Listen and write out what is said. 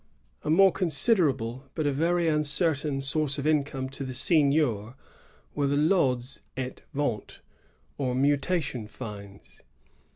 A more considerable but a very uncertain source of income to the seignior were the lods et ventes^ or mutation fines.